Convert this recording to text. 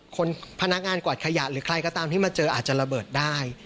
พนักงานกวาดขยะหรือใครก็ตามที่มาเจออาจจะระเบิดได้